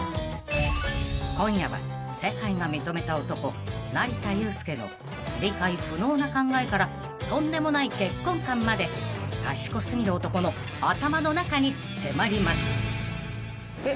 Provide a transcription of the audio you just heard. ［今夜は世界が認めた男成田悠輔の理解不能な考えからとんでもない結婚観まで賢過ぎる男の頭の中に迫ります］